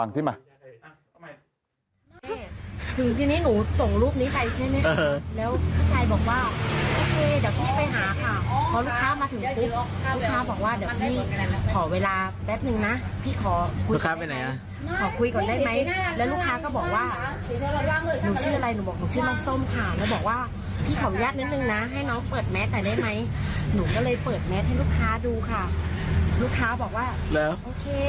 แต่ได้ไหมหนูก็เลยเปิดแมทให้ลูกค้าดูค่ะลูกค้าบอกว่าแล้วโอเค